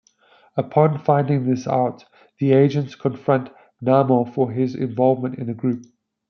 Upon finding this out, the Agents confront Namor for his involvement in the group.